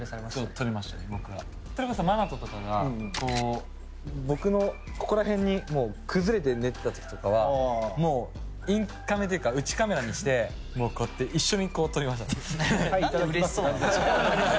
それこそＭＡＮＡＴＯとかが僕のここら辺に崩れて寝てた時とかはもうインカメっていうか内カメラにしてもうこうやって一緒にこう撮りました。